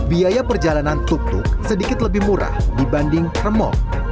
biaya perjalanan tuk tuk sedikit lebih murah dibanding remok